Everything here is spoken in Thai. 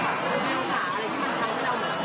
คุณผู้สามารถได้คิดคุณผู้สามารถได้คิด